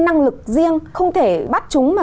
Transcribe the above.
năng lực riêng không thể bắt chúng mà